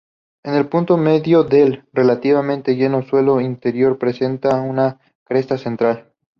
En el punto medio del relativamente llano suelo interior presenta una cresta central.